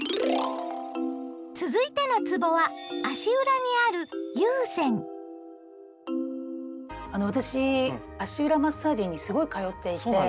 続いてのつぼは足裏にあるあの私足裏マッサージにすごい通っていて。